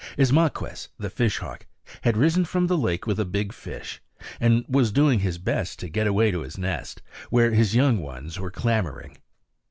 Ismaquehs, the fish hawk, had risen from the lake with a big fish, and was doing his best to get away to his nest, where his young ones were clamoring.